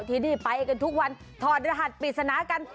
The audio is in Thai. ที่นี่ไปกันทุกวันถอดรหัสปริศนากัน